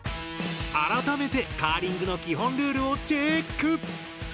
改めてカーリングの基本ルールをチェック！